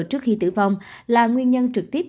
trước khi tử vong là nguyên nhân trực tiếp